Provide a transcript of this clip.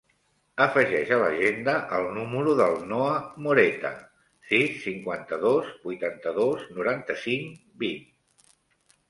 Afegeix a l'agenda el número del Noah Moreta: sis, cinquanta-dos, vuitanta-dos, noranta-cinc, vint.